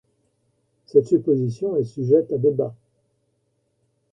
Cette supposition est sujette à débat.